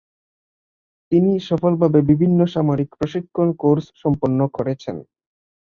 তিনি সফলভাবে বিভিন্ন সামরিক প্রশিক্ষণ কোর্স সম্পন্ন করেছেন।